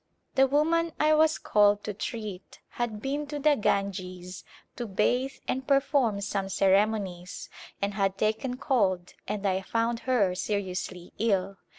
The woman I was called to treat had been to the Ganges to bathe and perform some ceremonies and had taken cold and I found her seriously ill.